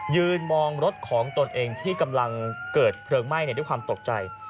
ยืนมองรถของตนเองที่กำลังเกิดเพลิงไหม้ด้วยความตกใจ